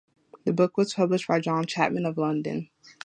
The book was published by John Chapman of London.